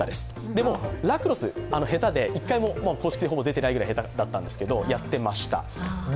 でも、ラクロス、１回も公式戦にほぼ出ていないぐらい下手だったんですけど、やっていました。